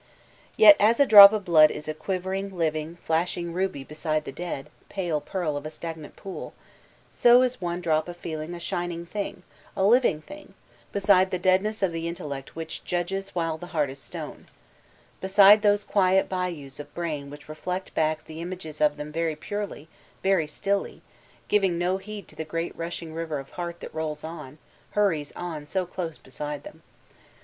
Yet as a drop of blood b a quivering, living, flashing ruby beside the dead, pale pearl of a stagnant pool, so b one drop of feeling a shining thing, a living thing, beside the deadness of the intellect which judges while the heart b stone; beside those quiet bayous of brain 382 VOLTAntlNE DB ClEYBE which reflect back the images before them veiy purdyt very stilly, giving no heed to the great rushing river of heart that rolls on, hurries on so close beside them.